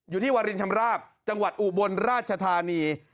อยู่ที่วารินชำระบจังหวัดอุบลราชธานี